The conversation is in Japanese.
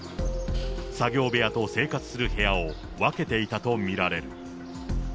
作業部屋と生活する部屋を分けていたと見られる。